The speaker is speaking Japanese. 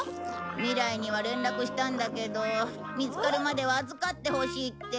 未来には連絡したんだけど見つかるまでは預かってほしいって。